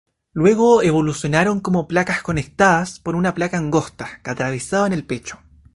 Luego evolucionaron como placas conectadas por una placa angosta, que atravesaban el pecho.